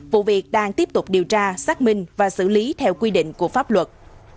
vụ việc đang tiếp tục điều tra xác minh và xử lý theo quy định của pháp luật